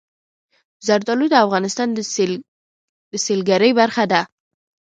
زردالو د افغانستان د سیلګرۍ برخه ده.